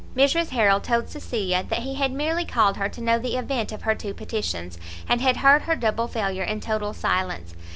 Mrs Harrel told Cecilia that he had merely called her to know the event of her two petitions, and had heard her double failure in total silence.